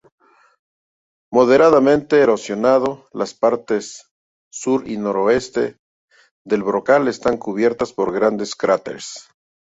Moderadamente erosionado, las partes sur y noroeste del brocal están cubiertas por grandes cráteres.